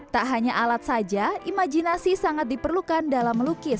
tak hanya alat saja imajinasi sangat diperlukan dalam melukis